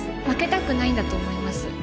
負けたくないんだと思います